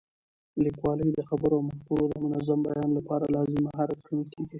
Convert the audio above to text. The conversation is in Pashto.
لیکوالی د خبرو او مفکورو د منظم بیان لپاره لازمي مهارت ګڼل کېږي.